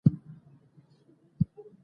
خو د معشوقې تر خپلو صفتونو منفي دي